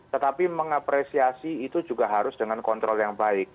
tetapi mengapresiasi itu juga harus dengan kontrol yang baik